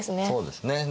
そうですね。